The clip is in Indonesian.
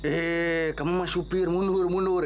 eh kamu mah supir mundur mundur